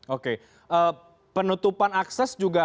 oke penutupan akses juga